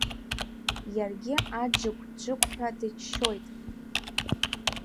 Иаргьы аџықә-џықәҳәа дыччоит.